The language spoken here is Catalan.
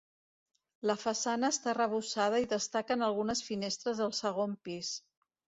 La façana està arrebossada i destaquen algunes finestres del segon pis.